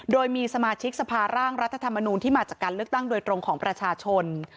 โดยมีสมาชิกสภาร่างรัฐธรรมนูลที่มาจากการเลือกตั้งโดยตรงของประชาชน